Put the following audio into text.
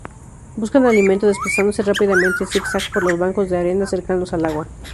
Buscan alimento desplazándose rápidamente en zigzag por los bancos de arena cercanos al agua.